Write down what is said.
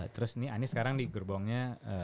terus ini anies sekarang di gerbongnya